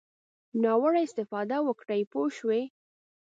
ناوړه استفاده وکړي پوه شوې!.